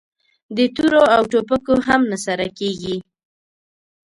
د تورو او ټوپکو هم نه سره کېږي!